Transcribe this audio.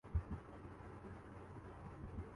میں سوچتارہا کہ یہ کیسی کتب ہوں۔